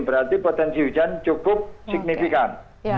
berarti potensi hujan cukup signifikan